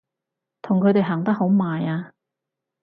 同佢哋行得好埋啊！